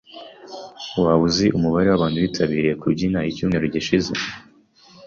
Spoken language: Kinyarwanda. Waba uzi umubare wabantu bitabiriye kubyina icyumweru gishize?